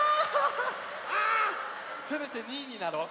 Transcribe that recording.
せめて２いになろう。